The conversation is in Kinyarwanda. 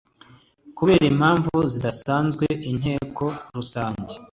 Kubera Impamvu Zidasanzwe Inteko Rusange